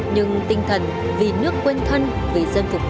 nhưng tinh thần vì nước quen thân vì dân phục vụ đã trở thành động lực to lớn